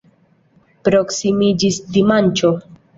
Proksimiĝis dimanĉo.